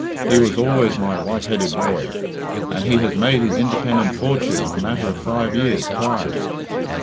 He was always my white headed boy, and he has made his independent fortune in a matter of five years' time."